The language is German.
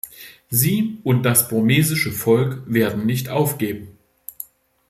Sie und das burmesische Volk werden nicht aufgeben.